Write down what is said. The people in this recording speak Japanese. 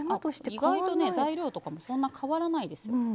意外と材料とかもそんなに変わらないですよ。